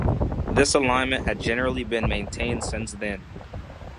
This alignment had generally been maintained since then.